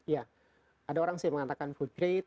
ya ada orang sering mengatakan food grade